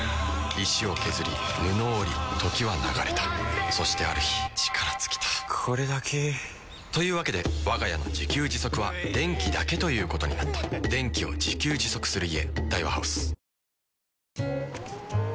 石を削り布を織り時は流れたそしてある日力尽きたこれだけ。というわけでわが家の自給自足は電気だけということになった電気を自給自足する家。